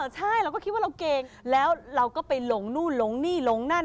ใช่เราก็คิดว่าเราเก่งแล้วเราก็ไปหลงนู่นหลงนี่หลงนั่น